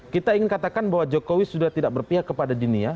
kita ingin katakan bahwa jokowi sudah tidak berpihak kepada dunia